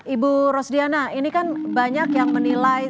ibu rosdiana ini kan banyak yang menilai